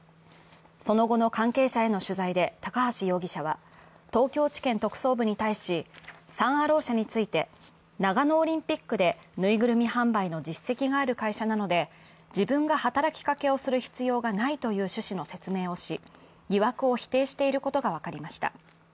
その後の関係者への取材で高橋容疑者は、東京地検特捜部に対しサン・アロー社について長野オリンピックでぬいぐるみ販売の実績がある会社なので、自分が働きかけをする必要がないという趣旨の説明をし、疑惑を否定していることが分かりました。